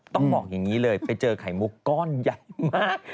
ต้องบอกอย่างนี้เลยไปเจอไข่มุกก้อนใหญ่มาก